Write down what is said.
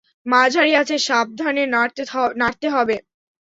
মাঝারি আঁচে সাবধানে নাড়তে হবে।